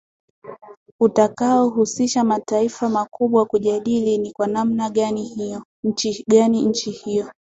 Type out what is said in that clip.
utakao husisha mataifa makubwa kujadili ni kwa namna gani nchi hiyo